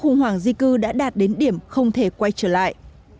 khủng hoảng di cư đã đạt đến điểm không thể quay trở lại